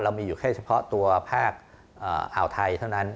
มีอยู่แค่เฉพาะตัวภาคอ่าวไทยเท่านั้น